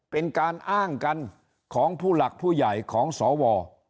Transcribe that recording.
เป็นการอ้างกันของผู้หลักผู้ใหญ่ของสว